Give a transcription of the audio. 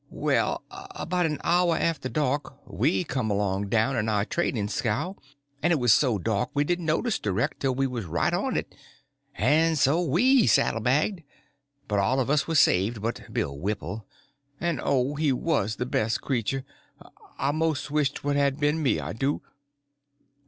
Well, about an hour after dark we come along down in our trading scow, and it was so dark we didn't notice the wreck till we was right on it; and so we saddle baggsed; but all of us was saved but Bill Whipple—and oh, he was the best cretur!—I most wish 't it had been me, I do."